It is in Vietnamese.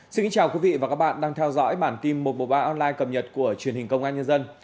xin kính chào quý vị và các bạn đang theo dõi bản tin một trăm một mươi ba online cập nhật của truyền hình công an nhân dân